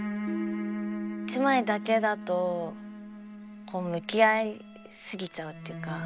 一枚だけだとこう向き合い過ぎちゃうっていうか。